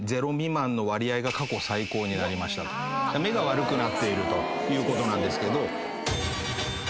目が悪くなっているということなんですけど。